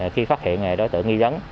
khi phát hiện đối tượng nghi dấn